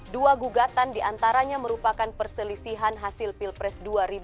dua gugatan diantaranya merupakan perselisihan hasil pilpres dua ribu sembilan belas